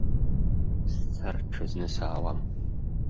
Сцар, ҽазны саауам.